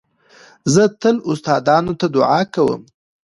زه تل استادانو ته دؤعا کوم.